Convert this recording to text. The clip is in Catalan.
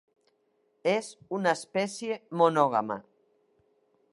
És una espècie monògama.